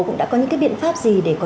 cũng đã có những cái biện pháp gì để có